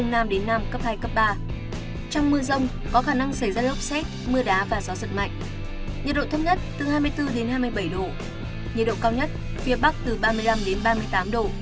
nhiệt độ cao nhất từ ba mươi bốn đến ba mươi bảy độ